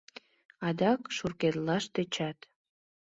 Адак шуркедылаш тӧчат.